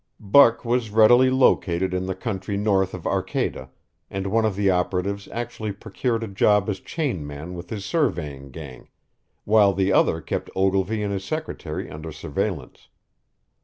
Buck was readily located in the country north of Arcata, and one of the operatives actually procured a job as chainman with his surveying gang, while the other kept Ogilvy and his secretary under surveillance.